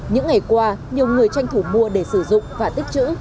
những ngày qua nhiều người tranh thủ mua để sử dụng và tích chữ